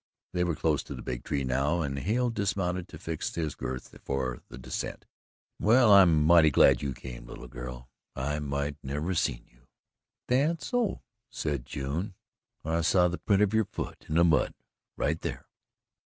They were close to the big tree now and Hale dismounted to fix his girth for the descent. "Well, I'm mighty glad you came, little girl. I might never have seen you." "That's so," said June. "I saw the print of your foot in the mud right there."